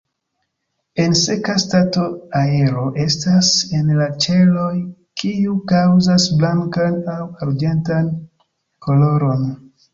En seka stato aero estas en la ĉeloj, kiu kaŭzas blankan aŭ arĝentan koloron.